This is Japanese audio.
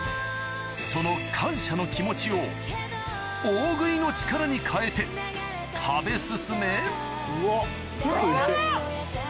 その感謝の気持ちを大食いの力に変えて食べ進めヤバっ！